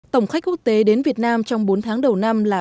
tổng khách quốc tế đến việt nam trong bốn tháng đầu năm là ba một